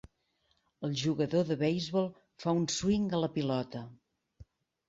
El jugador de beisbol fa un swing a la pilota.